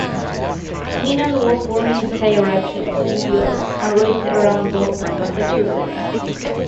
Menand was born in Syracuse, New York, and raised around Boston, Massachusetts.